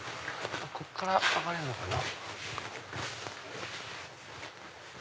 ここから上がれるのかな。